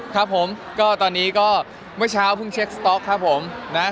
ครับผมก็ตอนนี้ก็เมื่อเช้าเพิ่งเช็คสต๊อกครับผมนะครับ